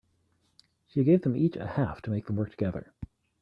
She gave them each a half to make them work together.